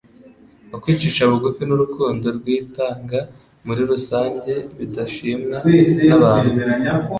Ukwicisha bugufi n'urukundo rwitanga muri rusange bidashimwa n'abantu,